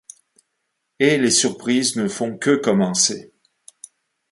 Et les surprises ne font que commencer.